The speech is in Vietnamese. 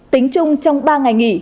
tính chung trong ba ngày nghỉ